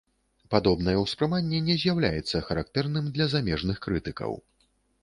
Падобнае ўспрыманне не з'яўляецца характэрным для замежных крытыкаў.